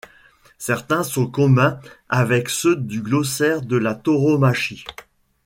Certains sont communs avec ceux du glossaire de la tauromachie.